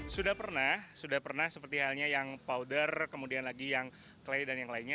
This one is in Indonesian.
sudah pernah sudah pernah seperti halnya yang powder kemudian lagi yang clay dan yang lainnya